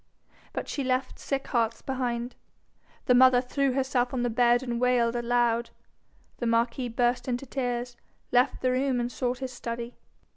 But she left sick hearts behind. The mother threw herself on the bed, and wailed aloud. The marquis burst into tears, left the room, and sought his study.